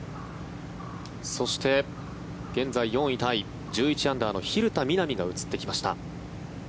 そして、現在４位タイ１１アンダーの蛭田みな美が映ってきました。